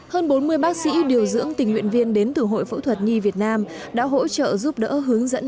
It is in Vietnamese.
hơn bốn mươi bác sĩ điều dưỡng tình nguyện viên đến từ hội phẫu thuật nhi việt nam đã hỗ trợ giúp đỡ hướng dẫn